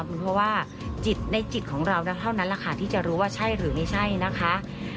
เพราะว่าจิตในจิตของเราเท่านั้นแหละค่ะที่จะรู้ว่าใช่หรือไม่ใช่นะคะ